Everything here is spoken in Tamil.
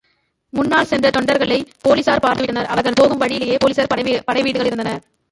முன்னால் சென்ற தொண்டர்களை போலிஸார் பார்த்துவிட்டனர் அவர்கள் போகும் வழியிலேயே போலிஸ் படை வீடுகள் இருந்தன.